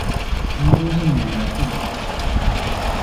房租是女人負責出錢嗎？